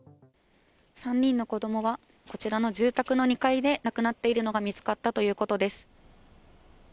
３人の子供はこちらの住宅の２階で亡くなっているのが見つかったということです。